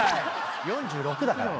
４６だからね。